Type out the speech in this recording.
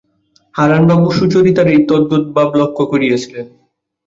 হারানবাবু সুচরিতার এই তদগত ভাব লক্ষ্য করিয়াছিলেন।